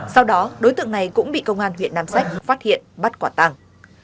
sau đó đối tượng này cũng bị công an huyện nam sách phát hiện bắt quả tàng